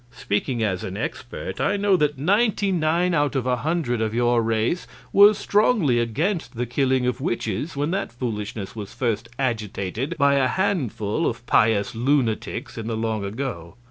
Speaking as an expert, I know that ninety nine out of a hundred of your race were strongly against the killing of witches when that foolishness was first agitated by a handful of pious lunatics in the long ago.